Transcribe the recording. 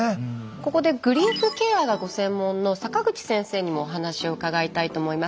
ここでグリーフケアがご専門の坂口先生にもお話を伺いたいと思います。